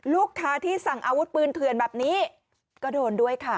ลูกค้าที่สั่งอาวุธปืนเถื่อนแบบนี้ก็โดนด้วยค่ะ